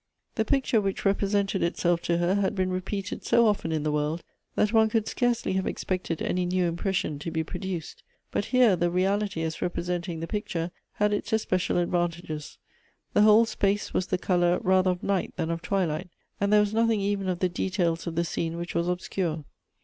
The picture which represented itself to her had been repeated so often in the world, that one could scarcely havft expected any new impression to be produced. But here, the reality as representing the picture had its especial advan tages. The whole space was the color rather of night than of twilight, and there was nothing even of the details of the scene which was obscure.